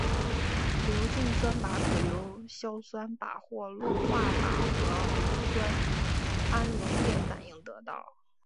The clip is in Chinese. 硫氰酸钯可由硝酸钯或氯化钯和硫氰酸铵溶液反应得到。